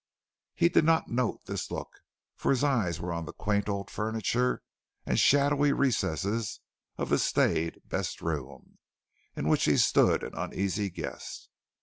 He did not note this look, for his eyes were on the quaint old furniture and shadowy recesses of the staid best room, in which he stood an uneasy guest.